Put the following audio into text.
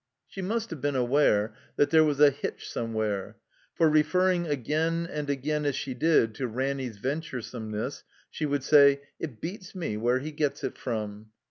She must have been aware that there was a hitch somewhere; for, referring again and again, as she did, to Ranny's venturesomeness, she would say, '* It beats me whefe he gets it from."